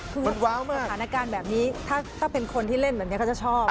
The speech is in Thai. มันว้าวมากสถานการณ์แบบนี้ถ้าเป็นคนที่เล่นเหมือนเนี้ยเขาจะชอบ